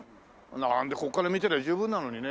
なんでここから見てりゃ十分なのにね。